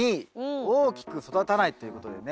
「大きく育たない」ということでね。